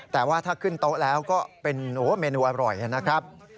แต่ว่าถ้าขึ้นโต๊ะแล้วก็เป็นเมนูอร่อยนะครับ